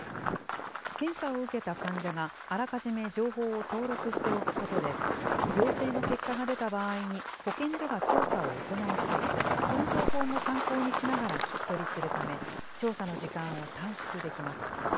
検査を受けた患者があらかじめ情報を登録しておくことで、陽性の結果が出た場合に保健所が調査を行う際、その情報も参考にしながら聞き取りするため、調査の時間を短縮できます。